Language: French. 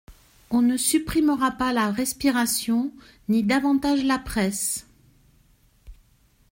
On ne supprimera pas la respiration, ni pas davantage la Presse.